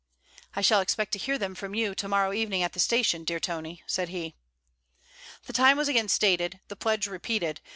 'I shall expect to hear them from you to morrow evening at the station, dear Tony,' said he. The time was again stated, the pledge repeated.